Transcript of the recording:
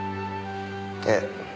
ええ。